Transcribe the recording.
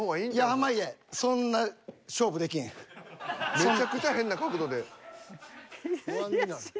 いや濱家そんな勝負できん。